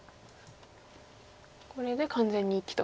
これで完全に生きと。